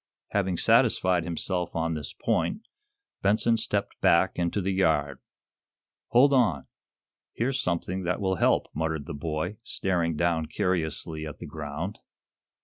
Having satisfied himself on this point, Benson stepped back into the yard. "Hold on! Here's something that will help," muttered the boy, staring down curiously at the ground.